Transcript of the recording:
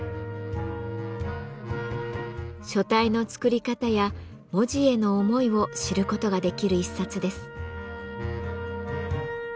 書体の作り方や文字への思いを知る事ができる一冊です。